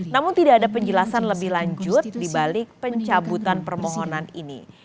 namun tidak ada penjelasan lebih lanjut di balik pencabutan permohonan ini